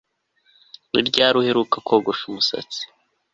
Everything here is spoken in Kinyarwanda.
Ni ryari uheruka kogosha umusatsi